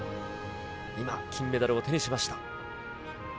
今、金メダルを手にしました。